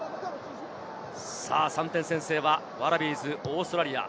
３点先制はワラビーズ、オーストラリア。